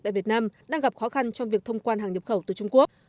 tại việt nam đang gặp khó khăn trong việc thông quan hàng nhập khẩu từ trung quốc